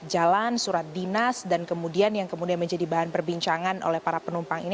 jalan surat dinas dan kemudian yang kemudian menjadi bahan perbincangan oleh para penumpang ini